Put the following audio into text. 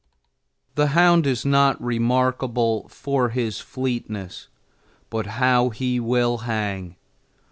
The hound is not remarkable for his fleetness, but how he will hang!